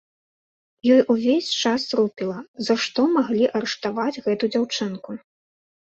Ёй увесь час рупіла, за што маглі арыштаваць гэту дзяўчынку.